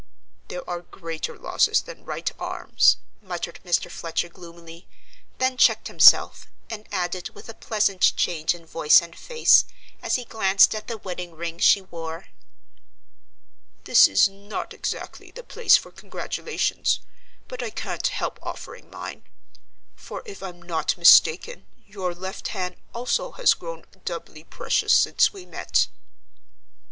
"There are greater losses than right arms," muttered Mr. Fletcher gloomily, then checked himself, and added with a pleasant change in voice and face, as he glanced at the wedding ring she wore: "This is not exactly the place for congratulations, but I can't help offering mine; for if I'm not mistaken your left hand also has grown doubly precious since we met?"